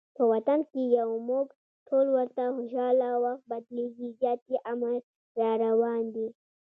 په وطن کې یو موږ ټول ورته خوشحاله، وخت بدلیږي زیاتي امن راروان دي